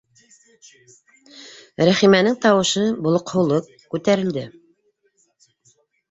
— Рәхимәнең тауышы болоҡһоулы күтәрелде.